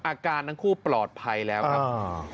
อาการทั้งคู่ปลอดภัยแล้วครับ